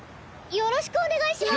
よろしくお願いします！